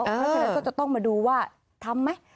เพราะฉะนั้นก็จะต้องมาดูว่าทำไหม